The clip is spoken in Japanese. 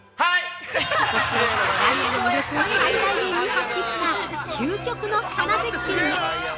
そして、ダリアの魅力を最大限に発揮した究極の花絶景が。